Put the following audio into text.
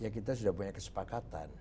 kita sudah punya kesepakatan